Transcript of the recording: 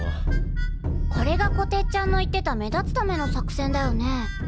これがこてっちゃんの言ってた目立つための作戦だよね。